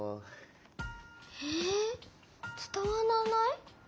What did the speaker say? えつたわらない？